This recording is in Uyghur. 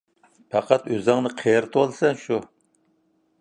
پەقەت ئۆزۈڭنى قېرىتىۋالىسەن شۇ!